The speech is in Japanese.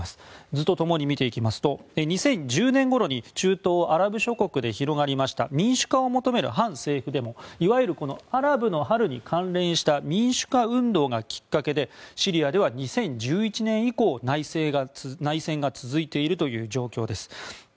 図と共に見ていきますと２０１０年ごろに中東アラブ諸国で広がりました民主化を求める反政府デモアラブの春に関連した民主化運動がきっかけでシリアでは２０１１年以降内戦が続いているという状況です。